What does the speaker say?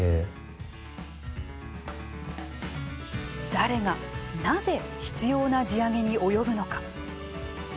誰が、なぜ執ような地上げに及ぶのか。